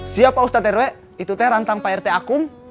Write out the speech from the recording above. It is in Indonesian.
siapa ustadz rw itu teh rantang pak rt akum